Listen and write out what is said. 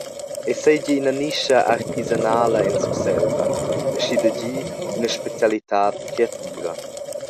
Ei seigi ina nischa artisanala en Surselva, aschia da gir ina specialitad creativa.